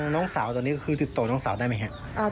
น้องสาวตอนนี้คือติดต่อน้องสาวได้ไหมครับ